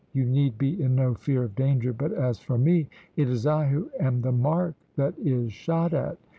You need be in no fear of danger, but as for me, it is I who am the mark that is shot at."